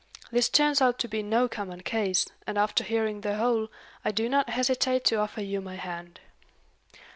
This turns out to be no common case, and after hearing the whole, I do not hesitate to offer you my hand."